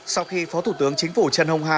sau khi phó thủ tướng chính phủ trần hồng hà